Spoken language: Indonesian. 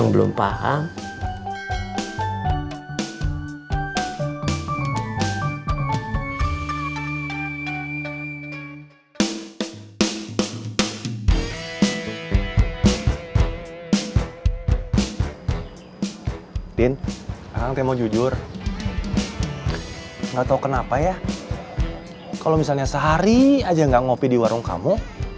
gak tau kenapa ya kalo misalnya sehari aja gak ngopi di warung kamu